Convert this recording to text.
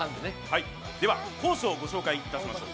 では、コースをご紹介いたします。